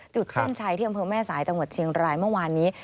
เส้นชัยที่อำเภอแม่สายจังหวัดเชียงรายเมื่อวานนี้